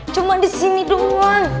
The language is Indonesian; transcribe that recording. cuma di sini doang